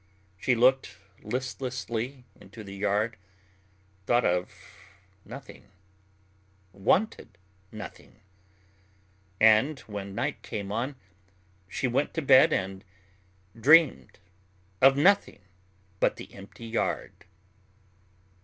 She looked listlessly into the yard, thought of nothing, wanted nothing, and when night came on, she went to bed and dreamed of nothing but the empty yard.